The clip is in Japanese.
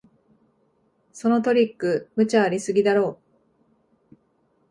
そのトリック、無茶ありすぎだろ